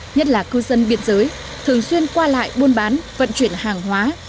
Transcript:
nhất là cư dân biên giới thường xuyên qua lại buôn bán vận chuyển hàng hóa